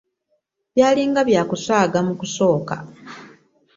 Byali nga bya kusaaga mu kusooka.